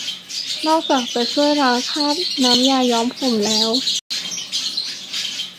นอกจากจะช่วยล้างคราบน้ำยาย้อมผมแล้ว